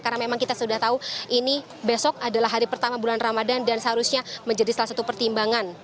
karena memang kita sudah tahu ini besok adalah hari pertama bulan ramadan dan seharusnya menjadi salah satu pertimbangan